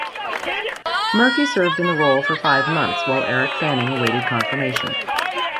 Murphy served in the role for five months while Eric Fanning awaited confirmation.